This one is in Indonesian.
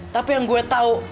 tapi yang gue tau